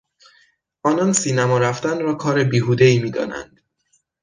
آنان سینما رفتن را کار بیهودهای میدانند.